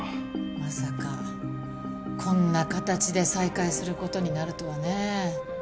まさかこんな形で再会する事になるとはね。